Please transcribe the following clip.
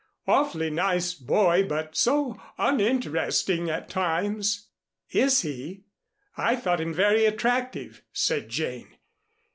Awfully nice boy, but so uninteresting at times." "Is he? I thought him very attractive," said Jane.